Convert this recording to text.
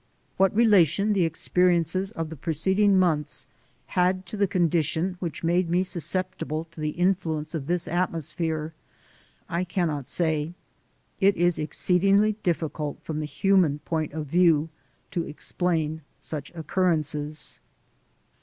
What relation the expe riences of the preceding months had to the condi tion which made me susceptible to the influence of this atmosphere I cannot say. It is exceedingly A MYSTERIOUS EVENT 135 difficult from the human point of view to explain such occurrences.